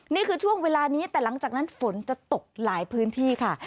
นี่คือช่วงเวลานี้แต่หลังจากนั้นฝนจะตกหลายพื้นที่ค่ะ